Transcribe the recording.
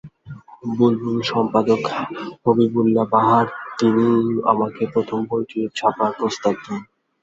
বুলবুল সম্পাদক হবীবুল্লাহ বাহার, তিনিই আমাকে প্রথম বইটি ছাপার প্রস্তাব দেন।